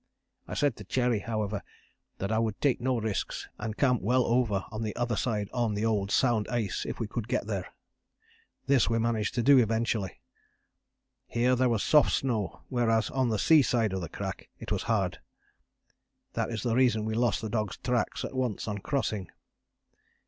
I said to Cherry, however, that I would take no risks, and camp well over the other side on the old sound ice if we could get there. This we managed to do eventually. Here there was soft snow, whereas on the sea side of the crack it was hard: that is the reason we lost the dogs' tracks at once on crossing.